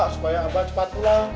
supaya abah cepat pulang